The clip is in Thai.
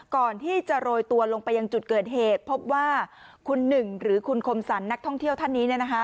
ก่อนที่จะโรยตัวลงไปยังจุดเกิดเหตุพบว่าคุณหนึ่งหรือคุณคมสรรนักท่องเที่ยวท่านนี้